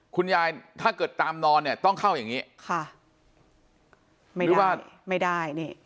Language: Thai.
ถ้าเกิดตามนอนเนี่ยต้องเข้าอย่างนี้ค่ะไม่รู้ว่าไม่ได้นี่